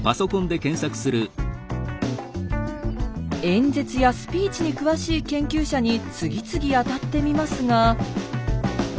演説やスピーチに詳しい研究者に次々当たってみますが。